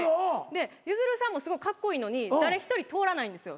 でゆずるさんもすごいカッコイイのに誰一人通らないんですよ。